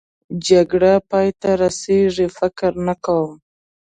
جګړه پای ته رسېږي؟ فکر نه کوم.